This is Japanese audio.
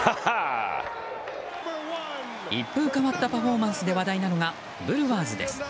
一風変わったパフォーマンスで話題なのがブルワーズです。